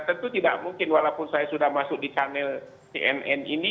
tentu tidak mungkin walaupun saya sudah masuk di kanal cnn ini